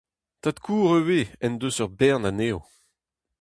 Tad-kozh ivez en deus ur bern anezho.